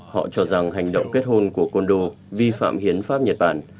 họ cho rằng hành động kết hôn của kondo vi phạm hiến pháp nhật bản